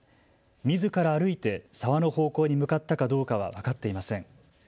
みずから歩いて沢の方向に向かったかどうかは分かっていません。